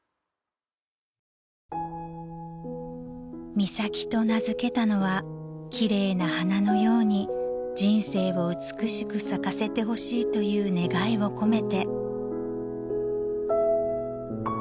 ［美咲と名付けたのは奇麗な花のように人生を美しく咲かせてほしいという願いを込めて］